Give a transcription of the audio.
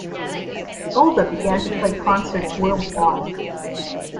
Gulda began to play concerts worldwide.